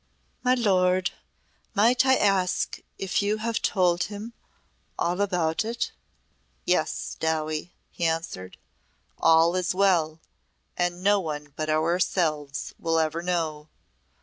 "My lord, might I ask if you have told him all about it?" "Yes, Dowie," he answered. "All is well and no one but ourselves will ever know.